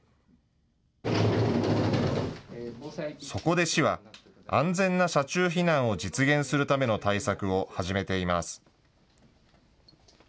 そこで市は安全な車中避難を実現するための対策を始めています。